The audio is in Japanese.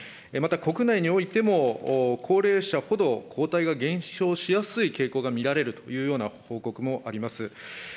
また国内においても、高齢者ほど抗体が減少しやすい傾向が見られるというような報告もあります。